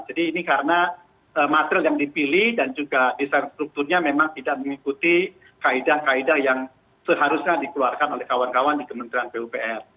jadi ini karena material yang dipilih dan juga desain strukturnya memang tidak mengikuti kaedah kaedah yang seharusnya dikeluarkan oleh kawan kawan di kementerian pupr